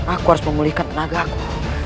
aku akan mengikuti kaca benggalaku